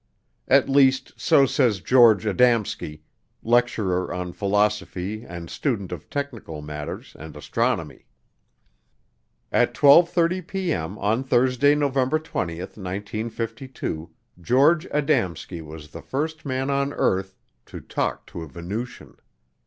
At least, so says George Adamski, lecturer on philosophy and student of technical matters and astronomy. At 12:30P.M. on Thursday, November 20, 1952, George Adamski was the first man on earth to talk to a Venusian.